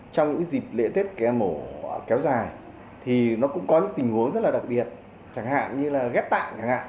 trong những dịp lễ tết kéo dài thì nó cũng có những tình huống rất là đặc biệt chẳng hạn như là ghép tạng